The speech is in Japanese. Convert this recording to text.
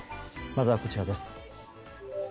まずはこちらです。